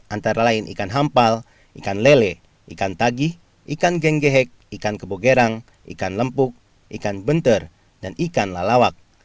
antara lain ikan hampal ikan lele ikan tagih ikan geng gehek ikan kebogerang ikan lempuk ikan benter dan ikan lalawak